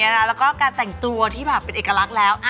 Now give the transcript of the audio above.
แล้วก็การแต่งตัวที่แบบเป็นเอกลักษณ์แล้ว